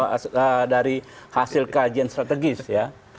hasil dari hasil kajian strategis ya